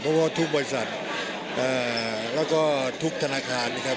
เพราะว่าทุกบริษัทแล้วก็ทุกธนาคารนะครับ